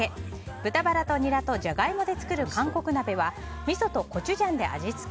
豚バラとニラとジャガイモで作る韓国鍋はみそとコチュジャンで味付け。